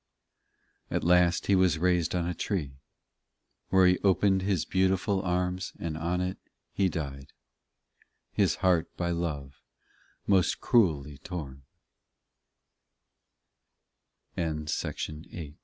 At last he was raised on a tree, Where he opened his beautiful arms, And on it, he died, His heart by love most cruelly t